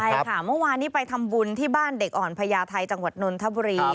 ใช่ค่ะเมื่อวานนี้ไปทำบุญที่บ้านเด็กอ่อนพญาไทยจังหวัดนนทบุรี